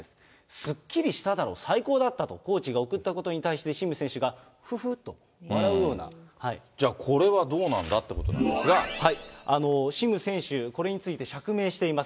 すっきりしただろう、最高だったと、コーチが送ったことに対して、じゃあこれはどうなんだといシム選手、これについて釈明しています。